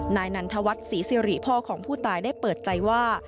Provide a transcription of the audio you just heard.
นายนันทวัฒน์ศรีสิริพ่อของผู้ตายได้เปิดใจว่า